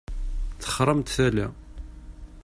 Texṛamt tala.